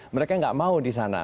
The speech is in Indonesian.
mereka nggak mau di sana